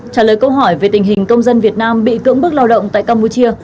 trả lời câu hỏi về tình hình công dân việt nam bị cưỡng bức lao động tại campuchia